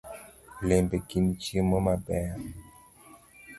Olembe gin chiemo mabeyo .